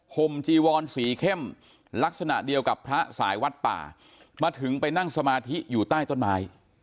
ห่มจีวอนสีเข้มลักษณะเดียวกับพระสายวัดป่ามาถึงไปนั่งสมาธิอยู่ใต้ต้นไม้